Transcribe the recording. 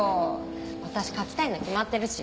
私書きたいの決まってるし。